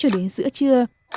đến giữa trưa